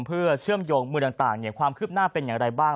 เพื่อเชื่อมโยงมือต่างความคืบหน้าเป็นอย่างไรบ้าง